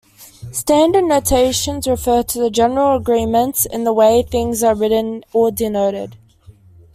Standard notations refer to general agreements in the way things are written or denoted.